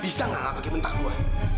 bisa gak gak pake mentah gue